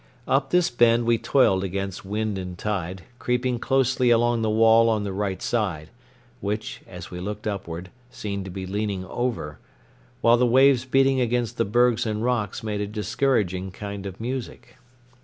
Up this bend we toiled against wind and tide, creeping closely along the wall on the right side, which, as we looked upward, seemed to be leaning over, while the waves beating against the bergs and rocks made a discouraging kind of music.